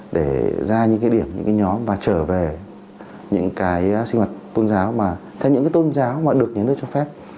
để ra những cái điểm những cái nhóm và trở về những cái sinh hoạt tôn giáo mà theo những cái tôn giáo mà được nhà nước cho phép